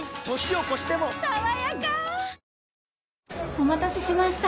お待たせしました。